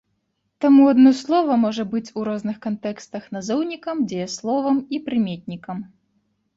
Таму адно слова можа быць у розных кантэкстах назоўнікам, дзеясловам і прыметнікам.